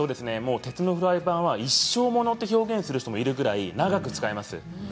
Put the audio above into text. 鉄のフライパンは一生物と表現する人もいるほど長く使えます。